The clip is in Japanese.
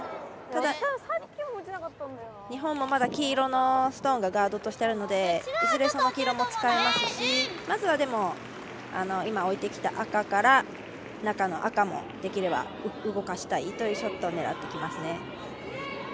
ただ日本もまだ黄色のストーンがガードとしてあるのでいずれ黄色も使えますしまず、でも今、置いてきた赤から中の赤もできれば動かしたいショットを狙ってきますね。